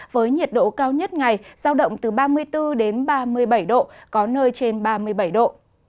với nhiệt độ cao nhất ngày giao động từ ba mươi bốn đến ba mươi bảy độ có nơi trên ba mươi bảy độ